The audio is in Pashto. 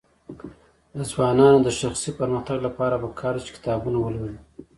د ځوانانو د شخصي پرمختګ لپاره پکار ده چې کتابونه ولولي.